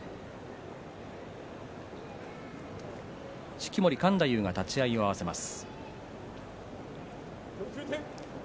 式守勘太夫が立ち合いを合わせます。